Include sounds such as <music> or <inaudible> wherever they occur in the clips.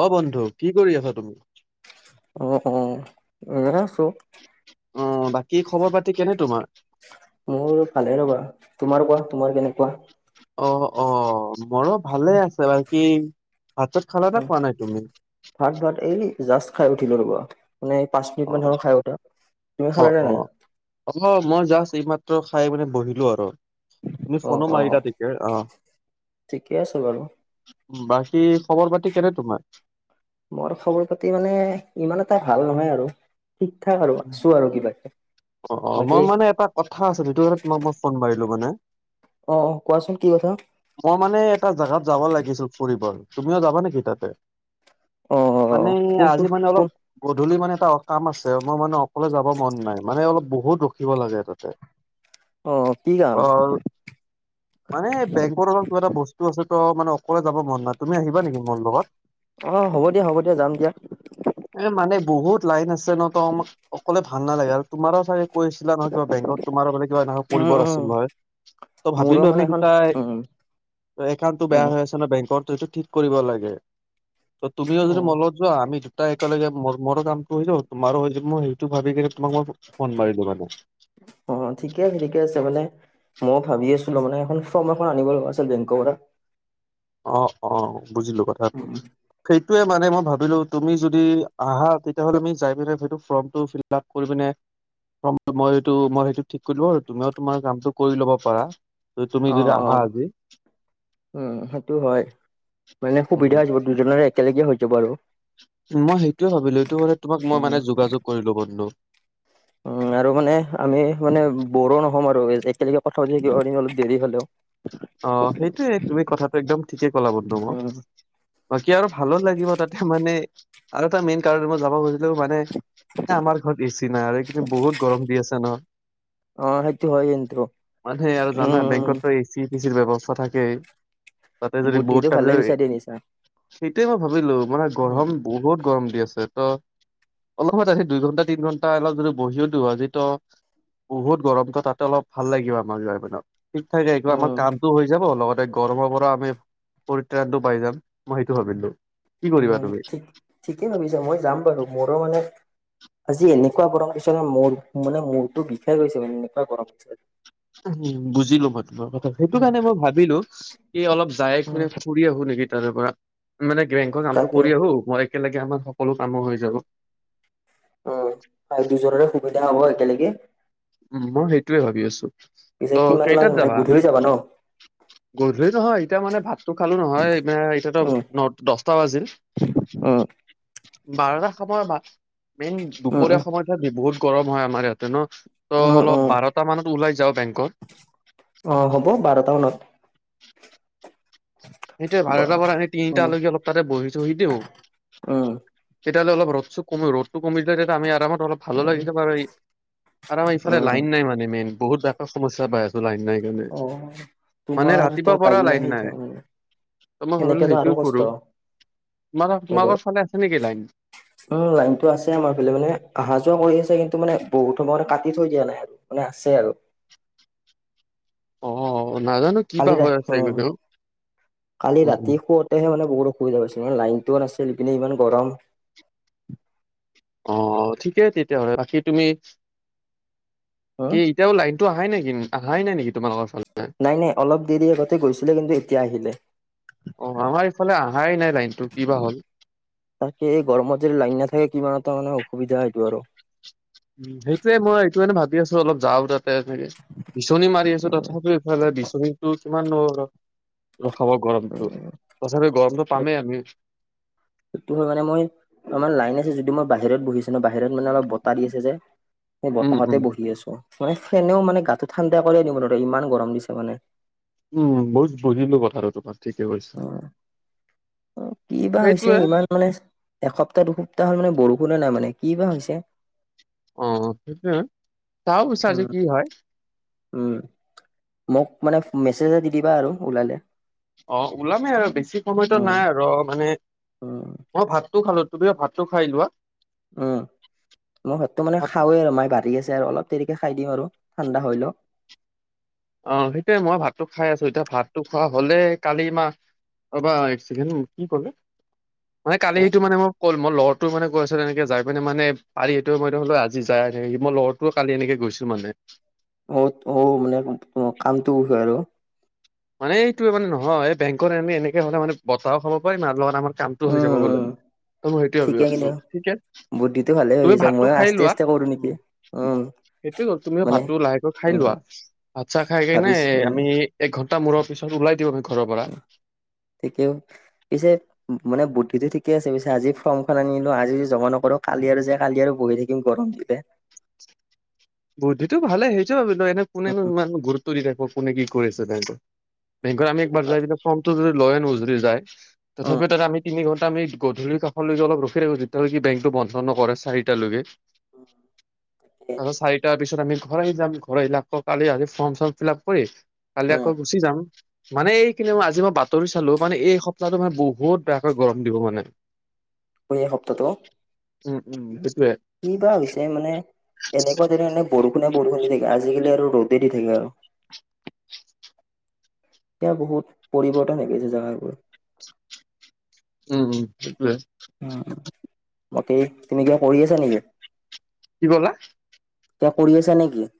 অ বন্ধু কি কৰি আছা তুমি? অ অ এৰা আছো অ বাকী খবৰ পাতি কেনে তোমাৰ মোৰ ভালে ৰ'বা তোমাৰ কোৱা তোমাৰ কেনেকুৱা অ অ মোৰো ভালে আছে বাকী। ভাত চাত খালা নে খোৱা নাই তুমি? ভাত ভাত এই জাষ্ট খাই উঠিলো ৰবা মানে পাঁচ অ মিনিট মানৰ খাই উঠা। তুমি অ খালা নে অ নাই? অ মই জাষ্ট এইমাত্ৰ খাই মানে বহিলো আৰু। তুমি অ', ফোননো অ', মাৰিলা তেতিয়াই অ। ঠিকে আছে বাৰু বাকী খবৰ পাতি কেনে তোমাৰ মোৰ খবৰ পাতি মানে ইমান এটা ভাল নহয় আৰু ঠিক ঠাক আৰু আছো আৰু কিবাকে অ বাকী মই মানে এটা কথা আছো সিটো ক তোমাক মই ফোন মাৰিলো মানে অ কোৱাচোন কি কথা? মই মানে এটা জাগাত যাব লাগিছিল ফুৰিব তুমিও যাবা নেকি তাতে? অ', মানে কোনটো আজি মানে অলপ কোন গধূলি মানে এটা কাম আছে মই মানে অকলে যাব মন নাই মানে অলপ বহুত ৰখিব লাগে তাতে। আহ কি কাম? অ মানে বেংকৰ এটা বস্তু আছে ত মানে অকলে যাব মন নাই। তুমি আহিবা নেকি মোৰ লগত? অ', হ'ব দিয়া হ'ব দিয়া যাম দিয়া এ মানে বহুত লাইন আছে ন তম অকলে ভাল নালাগে আৰু তোমাৰো চাগে কৈ আছিলা নহয় কিবা বেংকত তোমাৰান কিবা কৰিব উম, ন আছিল উম নহয়। ত মোৰো ভাবিলো মানে আমি এখন দুটাই উম, একাউণ্টটো বেয়া উম, হৈ আছে ন বেংকৰ ত এইটো ঠিক কৰিব লাগে। ত তুমিও যদি অ'। মলগ ত যোৱা আমি তাই একেলগে ম মোৰো কামটো কৰিলোঁ, তোমাৰো হৈ যাব মই সেইটো ভাবি কি তোমাক মই ফোন মাৰিলো মানে। অ ঠিকে আছে ঠিকে আছে মানে মই ভাবি আছিলো মানে এখন ফৰ্ম এখন আনিব লগা আছিল বেংকৰ পৰা। অ অ বুজিলো কথাটো, উম উম। সেই সেইটোৱে মানে মই ভাবিলো তুমি যদি আহা তেতিয়াহ'লে আমি যাই পেলাই সেই ফৰ্মটো ফিলাপ কৰি পিনে মই সেইটো মই সেইটো ঠিক কৰিলো আৰু তুমিও তোমাৰ কামটো কৰি ল'ব পাৰা। ত তুমি অ যদি অ আহা আজি উম সেইটো হয় মানে সুবিধা উম। হৈ যাব দুজনৰে একেলগে হৈ যাব আৰু। মই সেইটোয়ে ভাবিলো এইটো মানে তোমাক মই মানে যোগাযোগ কৰিলো বন্ধু। উ আৰু মানে আমি মানে বৰো নহম আৰু একেলগে কথা পাতি থাকিব পৰিম অলপ দেৰি হ'লেও। অ সেইটোয়ে তুমি কথাটো একদম ঠিকেই ক'লা বন্ধু মোক। উম বাকী আৰু ভালো লাগিব তাতে মানে আৰু এটা মেইন কাৰণ মই যাব খুজিলোও মানে এ আমাৰ ঘৰত এচি নাই আৰু কিন্তু বহুত গৰম দি আছে ন। অ সেইটো হয় কিন্তু মান সে আৰু জানা উম বেংকত ত চিৰ ব্যৱস্থা থাকেই তাতে যদি বহুত বুদ্ধিটো টাই ভালে যদি বিচাৰি আনিছা তেই মই ভাবিলো মানে উম গৰম বহুত গৰম দি আছে ত অলপ সময় <unintelligible> দুই ঘণ্টা তিনি ঘণ্টা অলপ যদি বহিও দিও আজি ত বহুত গৰমটো তাতে অলপ ভাল লাগিব আমাৰ <unintelligible> আমাৰ উম কামতটো হৈ যাব লগতে গৰমৰ পৰা আমি পৰিত্ৰাণটো পাই যাম মই সেইটো ভাবিলো। কি উ কৰিবা তুমি? ঠিক ঠিকেই ভাবিছা মই যাম বাৰু মোৰো মানে আজি এনেকুৱা গৰম পইচে মূৰ মানে মূৰটো বিষাই গৈছে মানে এনেকুৱা গৰম পইচে অজি। উ বুজিলো ভ কথা সেইটো কাৰণে মই ভাবিলো কি অলপ যায় উম খুনে ফুৰি আহো নেকি তাৰে পৰা? মানে বেংকৰ কামটো তাকে কৰি আহো মই একেলগে আমাৰ সকলো কামো হৈ যাব। অ ত দুজনৰে সুবিধা হ'ব একেলগে। উ মই সেইটোয়ে ভাবি আছো, ত পিছে কিমান মান কেইটাত মানে যাবা? গধূলি ন গধূলি নহয় এতিয়া মানে ভাতটো খালো নহয় এতিয়া তো ন দচটা বাজিল উম্। বাৰটা সময় বা মেইন উম উম দুপৰীয়া সময়ত বহুত গৰম হয় আমাৰ ইয়াতে ন? ত' উম অলপ উম বাৰটা মানত ওলাই যাও বেংক। অ হ'ব বাৰটা মানত। সেইটোৱে বাৰটাৰ পৰা এনে উম তিনিটালৈকে অলপ তাতে বহি থহি দিও। উম তেতিয়া হ'লে অলপ ৰদটো কম ৰ'দটো কমিলে তেতিয়া আমি আৰমত অলপ ভালো লাগিছে বাৰো, আৰু আমাৰ ইফালে উম লাইন নাই মানে মেইন। বহুত সমস্যা পাইছোঁ লাইন। নাই কাৰণে অ মানে তোমাৰ ৰাতি ত পৰা নাহে লাইন নাই। তাৰমানে ত মই ভাবিলো সেনেকেতো সেইটো আৰু কষ্ট কৰো। তোমাৰ তোমাৰোকৰ ফালে আছে নেকি লাইন? উম লাইনতটো আছে আমাৰ ফালে মানে অহা যোৱা কৰি আছে কিন্তু মানে বহুত সময়, কাটি থৈ দিয়া নাই আৰু মানে আছে আৰু। অ। নাজানো কি বা কালি ৰা হৈ আছে উ এইকেইদিন কালি উম উম ৰাতি শুৱতেহে মানে ব অসুবিধা পাইছিল ন লাইনটোও নাছিল। ইপিনে ইমান গৰম। অ, ঠিকেই তেতিয়াহ'লে বাকী তুমি হম কি এতিয়াও লাইনটো আহাই নেকি অহাই নাই নেকি তোমালোকৰ ফালে? নাই, নাই। অলপ দেৰি আগতে গৈছিলে, কিন্তু এতিয়া আহিলে। অ আমাৰ ইফালে অহাই নাই লাইনটো কিবা হ'ল তাকেই এই গৰমত যদি লাইন নাথাকে কিমান ত মানে অসুবিধা সেইটো আৰু <unintelligible> উম সেইটোয়ে মই এইটো মানে ভাবি আছো অলপ যাওঁ তাত <unintelligible> কে বিচনী মাৰি আছো তথাপিও ইফালে বিচনীটো কিমান <unintelligible> খাব গৰমতটো তথাপি গৰমটো পামেই আমি সেইটো হয় মানে মই আমাৰ লাইন আছে যদি মই বাহিৰত বহিছো বাহিৰত মানে অলপ বতাহ দি আছে যে সেই উম বতাহতে উম বহি আছো মানে ফেনেও মানে গাটো ঠাণ্ডা কৰিয়ে দিম ইমান গৰম দিছে মানে। উম বহুত বুজিলো কথা আৰু তোমাৰ ঠিকে কৈছে অ কি বা হৈছে ইমান মানে এসপ্তাহ দুসপ্তাহ হ'ল মানে বৰষুণ । কোনে নাই মানে কি বা হৈছে অ সেইটোৱে চাহ বুজিছা যে উম কি হয় উম মোক মানে মেছেজ এটা দি দিবা আৰু ওলালে অ ওলামেই আৰু বেছি সময়তো উম নাই আৰু মানে উম অ ভাতটো খালো তুমি ভাতটো খাই লোৱা উম মই ভাততো মানে ভাত খাওঁৱে আৰু মায়ে বাঢ়ি আছে আৰু অলপ দেৰিকে খাই দিম আৰু <unintelligible> ঠাণ্ডা হৈলক অ সেইটোয়ে মই ভাতটো খাই আছো এতিয়া ভাতটো খোৱা হলে কালি মাহ ৰবা কি কলে মানে কালিটো মানে মই কল মোৰ গ'লটো মানে এনেকে যাই পি মানোলি এইটোোৱ মই হলো আজি যাই মই লৰটোও কালি এনেকে <unintelligible> গৈছিলো মানে অ, অ মানে কামটো হয় আৰু। মানে এইটো মানে নহয় বেংকত আমি এনেকে হ'লে মানে বতাহো খাব পাৰিম আৰু লগত আমাৰ কামটো হৈ উম, যাব গলে। উম, ত মই সেইটোৱে ভাবি ঠিকে আছো। কিন্তু ঠিকে বুদ্ধিটো ভালে তুমি ভাবিছা ভাতটো ময়ো খাই আস্তে লোৱা। আস্তে কৰো উ নেকি উম, সেইটোৱে তুমিও মানে ভাতটো লাহেকৈ খাই উম, লোৱা। ভাত চা খাই কেে নাই ভাবিছো উম, আমি এঘ মূৰৰ পিছত ওলাই দিব পাৰিম তাত। ঠিকে পিছে মানে বুদ্ধিটো ঠিকে আছে পিছে। আজি ফৰ্মখন আনিলো। আজি যদি জমা নকৰো। কালি আৰু যাই কালি আৰু বহি থাকিম গৰম <unintelligible> <inaudible> বুদ্ধিটো ভালে। <unintelligible> কোনেনে উম, ইমান গুৰুত্ব দি থাকিব কোনে কি কৰি আছে <unintelligible> বেংকত আমি একবাৰ যাই ফৰ্মটো যদি লৈ আনো যদি যায় উম, তথাপি তাত আমি তিনি ঘন ত আমি গধূলি কষলৈকে অলপ ৰখি ৰাখো, যেতিয়ালৈকে বেংকটো বন্ধ নকৰে চাৰিটালৈকে। আ চাৰি তাৰ পিছত আমি ঘৰ আহি যাম। ঘৰ আহিলে আকৌ কালি আজি ফৰ্ম চৰ্ম ফিল আপ কৰি কালি উম আকৌ গুচি যাম। <unintelligible> মানে এইখিনি মই আজি মই বাতৰি চালো। মানে এই সপ্তাহটো বহুত বেয়াকৈ গৰম দিব মানে। <inaudible> এই সপ্তাহটো? উম, উম। সেইটোয়ে কি বা হৈছে মানে এনেকুৱা যেনে এনে বৰষুণে বৰষুণ দি থাকে আজিকালি আৰু ৰ'দে দি থাকে আৰু। তেও বহুত পৰিৱৰ্তন হৈ গৈছে জেগাবোৰ। উম, উম সেটোৱে। বাকী তুমি কিবা কৰি আছা নেকি? কি ক'লা? কিবা কৰি আছা নে কি?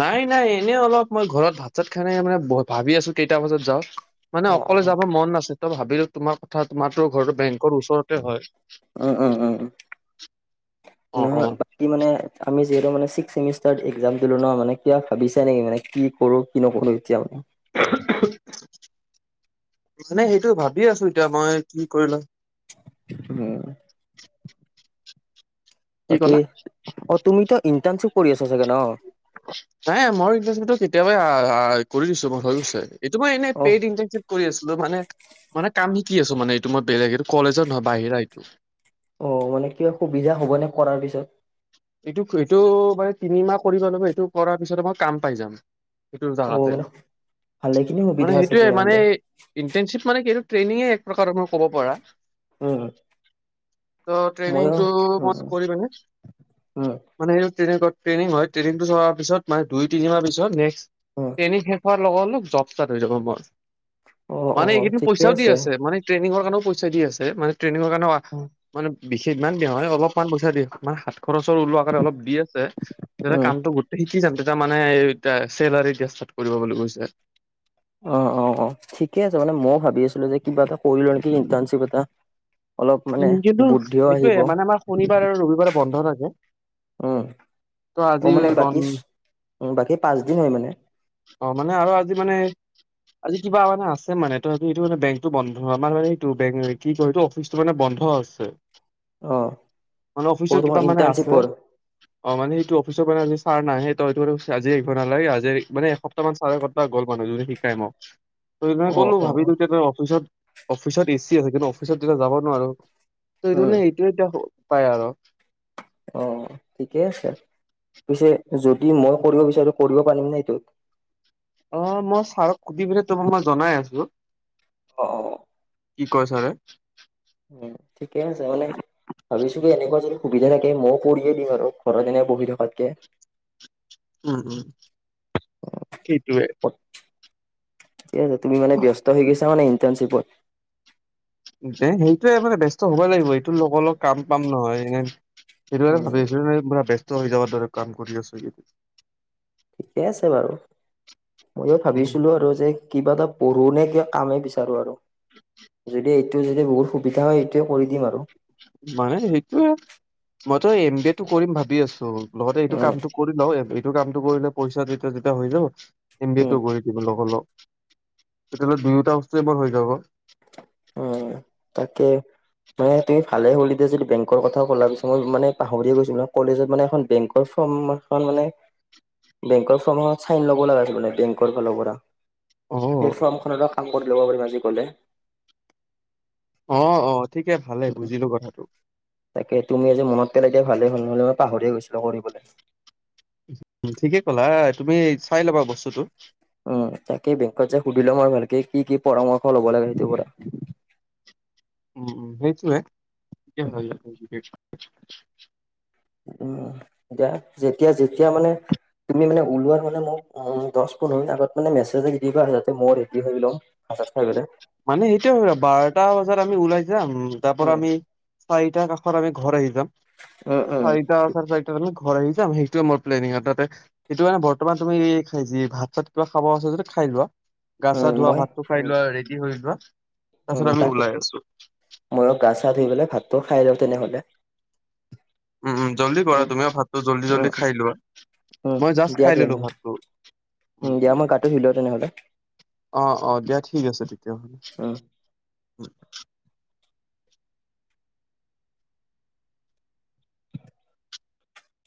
নাই নাই এনেই অলপ মই ঘৰত ভাত চাত খাই মানে ভাবি আছো কেইটা বজাত যাওঁ। মানে অ অ। অকলে যাব মন নাছে তই ভাবিলো তোমাৰ কথা তোমাৰতো ঘৰটো বেংকৰ ওচৰতে হয়। উম উম উম উ অ অ নহয় বাকী মানে আমি যিহেতু মানে ছিক্স চেমিষ্টাৰ এক্সাম দিলো ন মানে কিবা ভাবিছে নেকি মানে কি কৰো কি নকৰো এতিয়া মানে সেইটো ভাবি আছো এতিয়া মই কি কৰিলো অহ। কি বাকী ক'লা? অ, তুমিতো ইণ্টাৰ্নচিপ কৰি আছা চাগে ন? নাই, মই ইণ্টাৰ্নশ্বিপটো কেতিয়াবাই কৰি দিছো, মোৰ হৈ গৈছে। এইটো মই এনে অহ পেইড ইণ্টাৰ্নশ্বিপ কৰি আছিলো মানে মানে কাম শিকি আছো। মানে এইটো মই বেলেগ এইটো কলেজৰ নহয়, বাহিৰা এইটো। অ মানে কিবা অসুবিধা হ'বনে কৰাৰ পিছত? এইটো এইটো মানে তিনিমাহ কৰিব লাগিব। এইটো কৰাৰ পিছতে মই কাম পাই যাম। সেইটো অ জাগাতে, মানে ভালেখিনি সুবিধা মানে আছে সেইটোৱে মানে তেনেহ'লে। ইণ্টাৰ্নশ্বিপ মানে এই ট্ৰেইনিঙে এক প্ৰকাৰৰ মই ক'ব পাৰা। উম। ত ময়ো ট্ৰেইনিংটো মই উম কৰি মানে উম মানে সেইটো তেনেকোৱা ট্ৰেইনিং হয়, ট্ৰেইনিংটো হোৱাৰ পিছত মান দুই, তিনিমাহ পিছত নেক্সট উম ট্ৰেইনিং শেষ হোৱা লগালগ জব ষ্টাৰ্ট হৈ যাব মৰ। অ অ মানে এইকেইদিন ঠিকে পইচাও দি আছে মানে ট্ৰেইনিংৰ কাৰণেও পইচা দি আছে। মানে ট্ৰেইনিঙৰ কাৰণেও মানে বিশেষ ইমান দা হয় অলপমান পইচা দি মা সাত খৰচৰ ওলোৱা কাৰণে অলপ দি আছে। যেনে উম কামটো গোটে শিকি যাম দে এটা মানে এই এয়া চেলাৰী বেষ্টত কৰিব বুলি কৈছে। অ-অ-অ ঠিকে আছে মানে ময়ো ভাবি আছিলো যে কিবা এটা কৰি লওঁ নেকি ইটাৰ্শ্বিপ এটা। অলপ মানে উম, কিন্তু বুদ্ধিও আহিব। সেইটোৱে মানে আমাৰ শনিবাৰ আৰু ৰবিবাৰে বন্ধ থাকে। উম, ত আজি বন উ বাকী পাঁচ দিন হয় মানে অ মানে আৰু আজি মানে আজি কিবা মানে আছে মানে ত আজি এইটো মানে বেংকটো বন্ধ আমাৰ মানে এইটো কি কয় এইটো অফিচটো মানে বন্ধ বন্ধ আছে। অ, মানে অ অফিচত তোমাৰ কিবা মানে আছে ইণ্টাৰ্ণশ্বিপৰ অ মানে সেইটো অফিচৰ পৰা আনি ছাৰ নাই সেই তইটো আজি আহিব নালাগে আজি মানে এসপ্তাহ মান ছাৰে ক গ'ল মানুহ যদি শিকাই ম ত সেইকাৰণে অ, ক'লো অ, ভাবিলো যে অফিচত অফিচত এচি আছে কিন্তু অফিচত তেতিয়া যাব নোৱাৰো ত এইটো উম, নে এইটোয়ে এতিয়া উপায় আৰু অ, ঠিকে আছে পিছে যদি মই কৰিব বিচাৰো কৰিব পাৰিম ন এইটোত অ মই ছাৰক সুধি বিনে তোমাক মই জনাই আছো অ অ কি কয় ছাৰে উম ঠিকেই আছে মানে ভাবিছিলো এনেকোৱা যদি সুবিধা থাকে মইয়ো কৰিয়ে দিম আৰু ঘৰত এনে বহি থকাতকে। উম উম সেইটোৱে। ঠিক আছে তুমি মানে ব্যস্ত হৈ গৈছা মানে ইণ্টাৰ্ণশ্বিপত এ সেইটোয়ে মানে বব্যস্ত হ'বই লাগিব এইটো লগৰ লগ কাম পাম নহয় এ সেইটো কাৰণে ভাবি উম, আছিলো ন পুৰা ব্যস্ত হৈ যাব দৰে কাম কৰি আছো ঠিকে আছে বাৰু ময়ো উম ভাবিছিলো আৰু যে কিবা এটা পঢ়ো নে কিবা কামেই বিচাৰোঁ আৰু যদি এইটো যদি বহুত সুবিধা হয় সেইটোৱে কৰি দিম আৰু মানে সেইটোয়ে মইতো এম বি এটো কৰিম ভাবি আছো লগতে এইটো উম, কামটো কৰি লও এইটো কামটো কৰিলে পইচা তেতিয়া তেতিয়া হৈ যাব এম বি উম। এটো কৰি দিব লগা লগ তেতিয়াহ'লে দুয়োটা বস্তুয়ে বৰ হৈ যাব উ তাকে মানে তুমি ভালে কলি দে চোন যদি বেংকৰ কথা কলা পিছে মই মানে পাহৰি গৈছিলো কলেজত মানে এখন বেংকৰ ফৰ্মখন মানে বেংকৰ ফৰ্ম এখন চাইন ল'ব লগা আছিল মানে বেংকৰ ফালৰ পৰা অ সেই ফ্ৰৰ্মখনৰো কাম কৰি ল'ব পাৰিম আজি গলে অ অ ঠিকে ভালে বুজিলো কথাটো তাকে তুমি আজি মনত পেলাই দি ভালেই হ'ল নহ'লে মই পাহৰিয় গৈছিলো কৰিবলৈ। ঠিকে ক'লা তুমি চাই লবা বস্তুটো। উম তাকেই বেংকত যে সুধিলো আমাৰ ভালকে কি কি পৰামৰ্শ ল'ব লাগে সেইটোৰ পৰা <inaudible> উম সেইটোৱে য উম এতিয়া যেতিয়া যেতিয়া মানে তুমি মানে ওলোৱাৰ মানে ম উ দহ পোন্ধৰ মিনিট আগত মানে মেছেজ এটা দি দিবা যাতে মৌ ৰেডি হৈ ল'ও মানে সেইটোয়েহৈ আৰু বাৰটা বজাত আমি ওলাই যাম তাৰ পৰা উম আমি চাৰিটা কাষ আমি ঘৰ আহি যাম উম উম চাৰিটা চাৰে চাৰিটা ব ঘৰ আহি যাম সেইটোোৱে মোৰ প্লেনিং আৰু তাতে সেইটো কাৰানে বৰ্তমান তুমি যি ভাত চাত কিবা খাব আছে যদি খাই লোৱা গা চা উম ধোৱা মই ভাতটো খাই উম লোৱা ৰেডি হৈ লোৱা উম তাকে মইও গা চা ধুই পেলাই ভাতটো খাই লওঁ তেনেহলে উম উম জল্দি কৰা উম তুমিও ভাতটো জল্দি উম জল্দি উম খাই লোৱা উম মই জাষ্ট দিয়া খাই ললো তেনেহলে ভাতটো উম দিয়া মই কাটো দিলো তেনেহ'লে অ অ দিয়া ঠিক আছে তেতিয়াহ'লে উম